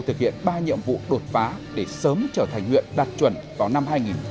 thực hiện ba nhiệm vụ đột phá để sớm trở thành huyện đạt chuẩn vào năm hai nghìn hai mươi